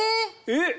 えっ！